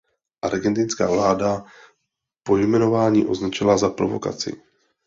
Argentinská vláda pojmenování označila za provokaci.